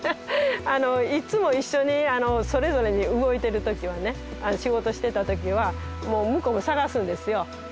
いつも一緒にそれぞれに動いてる時はね仕事してた時はもう向こうも捜すんですよ。